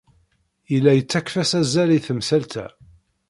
Yella yettakf-as azal i temsalt-a.